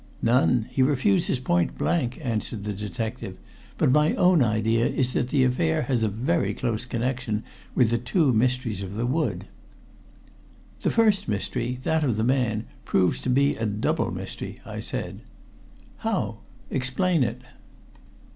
"None. He refuses point blank," answered the detective. "But my own idea is that the affair has a very close connection with the two mysteries of the wood." "The first mystery that of the man proves to be a double mystery," I said. "How? Explain it."